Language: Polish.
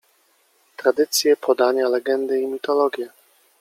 Tradycje, podania, legendy i mitologie.